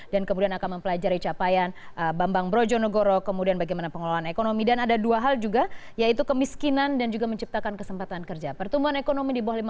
tadi ibu bilang ada banyak resiko